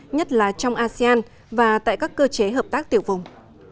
nhất là trong asean và tại các cơ chế hợp tác tiểu vùng